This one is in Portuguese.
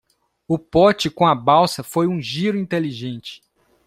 O pote com a balsa foi um giro inteligente.